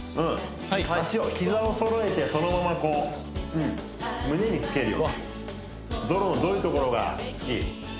脚を膝をそろえてそのままこう胸につけるようにゾロどういうところが好き？